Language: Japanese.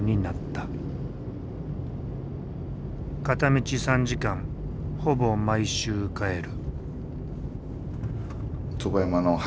片道３時間ほぼ毎週帰る。